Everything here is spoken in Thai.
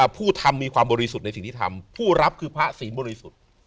ผู้ทำมีความบริสุทธิ์ในสิ่งที่ทำผู้รับคือพระศรีบริสุทธิ์